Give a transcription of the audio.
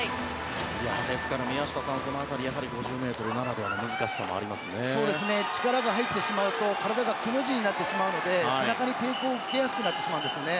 ですから宮下さんその辺り５０ｍならではの力が入ってしまうと体がくの字になってしまうので背中に抵抗を受けやすくなるんですね。